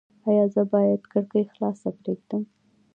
ایا زه باید کړکۍ خلاصه پریږدم؟